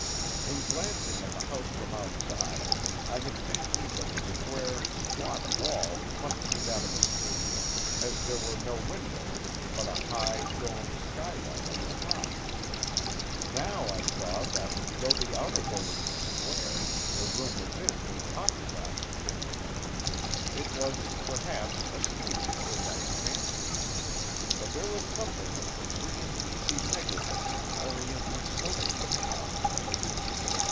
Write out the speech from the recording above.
In glancing at the house from outside, I had fancied that the square, squat wall must be that of a studio, as there were no windows, but a high, domed skylight on top. Now I saw that though the outer building was square, the room within was octagon in shape. It was, perhaps, a studio, as I had fancied, but there was something of the free and easy negligence of an Oriental smoking room about it.